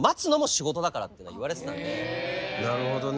なるほどね。